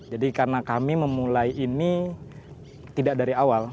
jadi karena kami memulai ini tidak dari awal